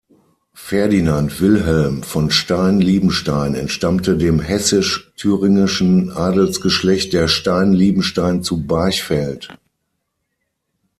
Ferdinand-Wilhelm von Stein-Liebenstein entstammte dem hessisch-thüringischen Adelsgeschlecht der Stein-Liebenstein zu Barchfeld.